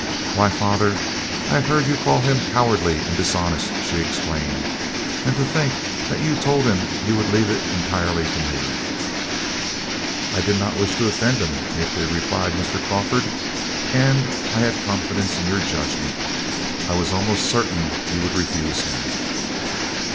"Why, father, I have heard you call him cowardly and dishonest," she exclaimed, "and to think that you told him you would leave it entirely to me." "I did not wish to offend him," meekly replied Mr. Crawford, "and I had confidence in your judgment. I was almost certain you would refuse him."